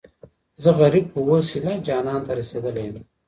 زه غريب خو اوس ايـــلــه جــانـان ته رسېـدلى يـم